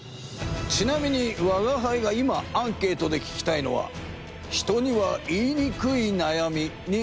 ちなみにわがはいが今アンケ―トで聞きたいのは人には言いにくいなやみについてだ。